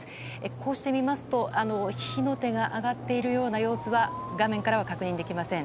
こうしてみますと火の手が上がっているような様子は画面からは確認できません。